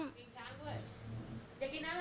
กางเกงช้าง